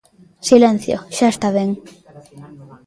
Silencio, xa está ben.